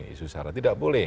isu sarah tidak boleh